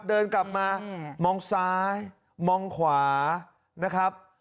เดินกลับมามองซ้ายมองขวานะครับ